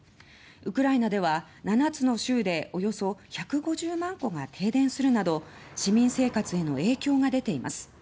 ウクライナでは７つの州でおよそ１５０万戸が停電するなど市民生活への影響が出ています。